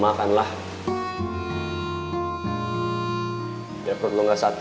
gimana kalau kita merupakan masyarakat yang terbaik